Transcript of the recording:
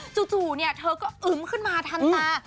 จู่เธอก็อึ้มขึ้นมาทันตา